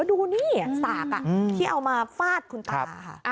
ดูนี่สากที่เอามาฟาดคุณตาค่ะ